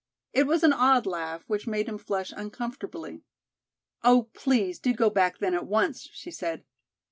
It was an odd laugh which made him flush uncomfortably. "Oh, please do go back then at once!" she said.